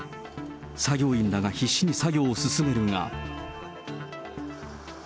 作業員らが必死に作業を進めるが。